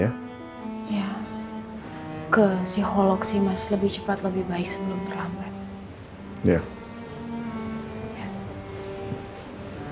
ya ke psiholog sih masih lebih cepat lebih baik